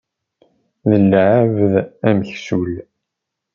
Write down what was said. D lεebd ameksul.